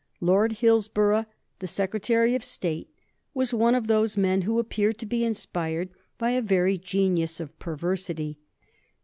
Lord Hillsborough, the Secretary of State, was one of those men who appear to be inspired by a very genius of perversity.